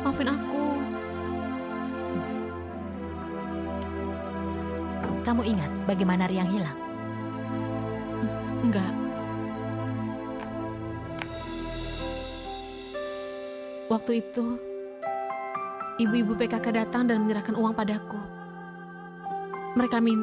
tapi kapan aku bisa ketemu orang tua kamu